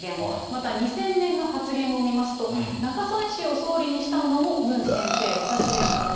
また２０００年の発言を見ますと、中曽根氏を総理にしたのもムン先生、私でしたと。